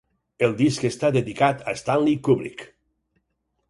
El disc està dedicat a Stanley Kubrick.